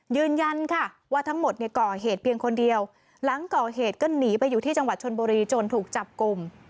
ยืนยันค่ะว่าทั้งหมดเนี่ยก่อเหตุเพียงคนเดียวหลังก่อเหตุก็หนีไปอยู่ที่จังหวัดชนบุรีจนถูกจับกลุ่ม